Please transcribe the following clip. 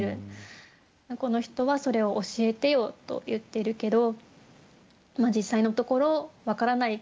この人はそれを教えてよと言ってるけど実際のところ分からない。